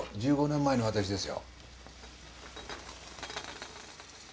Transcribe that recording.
１５年前の私ですよ。